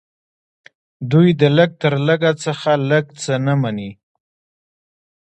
دوی د لږ تر لږه څخه لږ څه نه مني